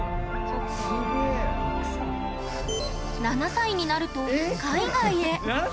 ７歳になると海外へ。